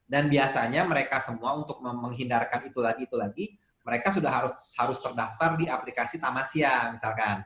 dan biasanya mereka semua untuk menghindarkan itu lagi mereka sudah harus terdaftar di aplikasi tamasya misalkan